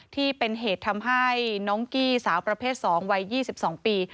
ที่เป็นเหตุทำให้น้องกี้สาวประเภท๒วัย๒๒ปี